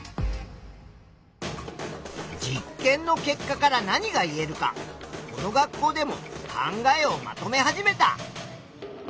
実験の結果から何が言えるかこの学校でも考えをまとめ始めた。